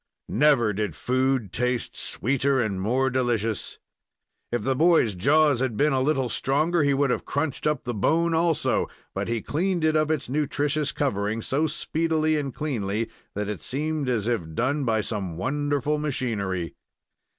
Never did food taste sweeter and more delicious! If the boy's jaws had been a little stronger, he would have crunched up the bone also but he cleaned it of its nutritious covering so speedily and cleanly that it seemed as if done by some wonderful machinery.